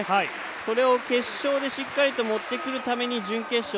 それを決勝でしっかりと持ってくるために準決勝